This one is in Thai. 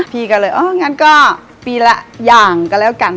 พี่ก็เลยเอองั้นก็ปีละอย่างก็แล้วกัน